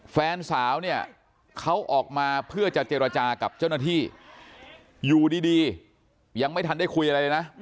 แฟนสาวเนี่ยเขาออกมาเพื่อจะเจรจากับเจ้าหน้าที่อยู่ดียังไม่ทันได้คุยอะไรเลยนะ